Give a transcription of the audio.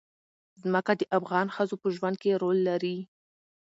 ځمکه د افغان ښځو په ژوند کې رول لري.